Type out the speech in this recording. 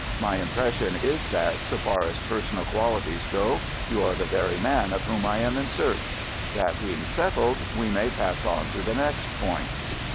My impression is that, so far as personal qualities go, you are the very man of whom I am in search. That being settled, we may pass on to the next point."